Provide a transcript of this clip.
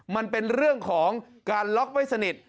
มันเป็นเรื่องของการล็อกไม่สนิท